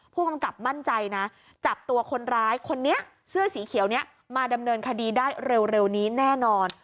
ผู้กำกับมั่นใจนะจับตัวคนร้ายคนนี้เสื้อสีเขียวนี้มาดำเนินคดีได้เร็วนี้แน่นอน